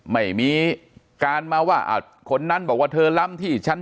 ไม่มีการมาว่าคนนั้นบอกว่าเธอล้ำที่ชั้น